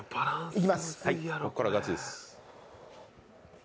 いきます。